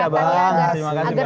terima kasih abang